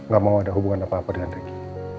gak mau ada hubungan apa apa dengan ricky